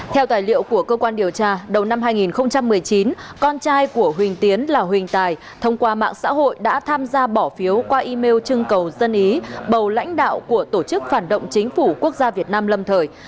theo tài liệu của cơ quan điều tra đầu năm hai nghìn một mươi chín con trai của huỳnh tiến là huỳnh tài thông qua mạng xã hội đã tham gia bỏ phiếu qua email trưng cầu dân ý bầu lãnh đạo của tổ chức phản động chính phủ quốc gia việt nam lâm thời